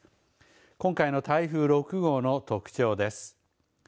今回の台風６号の特徴です。